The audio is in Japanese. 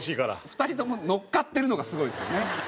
２人とものっかってるのがすごいですよね。